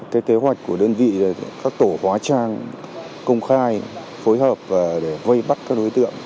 cái kế hoạch của đơn vị các tổ hóa trang công khai phối hợp để vây bắt các đối tượng